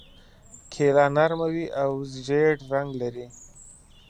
کیله نرمه وي او ژېړ رنګ لري.